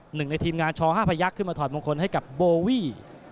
หนึ่งในทีมงานช๕พยักษ์ขึ้นมาถอดมงคลให้กับโบวี่